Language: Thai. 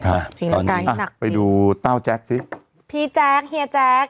สีร้างกล้าให้หนักนิดนึงค่ะไปดูเต้าแจ๊กซิพี่แจ๊กเฮียแจ๊ก